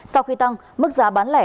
sau khi tăng mức giá bán lẻ